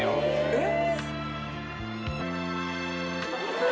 えっ？